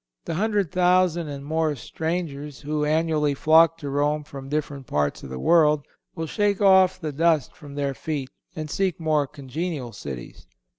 The hundred thousand and more strangers who annually flock to Rome from different parts of the world will shake off the dust from their feet and seek more congenial cities.